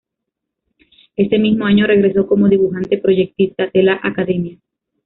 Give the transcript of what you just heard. Ese mismo año egresó como dibujante proyectista de la Academia.